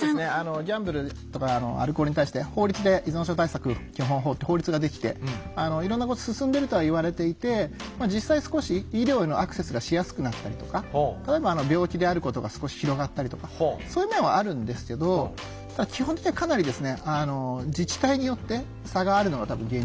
ギャンブルとかアルコールに対して法律で依存症対策基本法って法律ができていろんなこと進んでるとは言われていて実際少し医療へのアクセスがしやすくなったりとか例えば病気であることが少し広がったりとかそういう面はあるんですけどただそうなんですか。